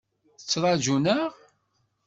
Ttrajun-aɣ.